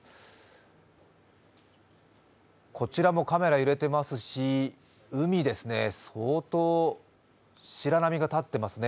こちらもカメラ揺れてますし、海ですね、相当、白波が立っていますね。